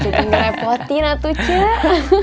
jangan merepotin atuh cek